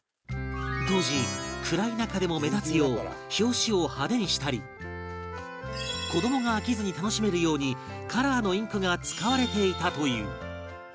当時暗い中でも目立つよう表紙を派手にしたり子どもが飽きずに楽しめるようにカラーのインクが使われていたという